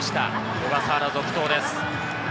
小笠原続投です。